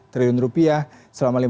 triliun rupiah selama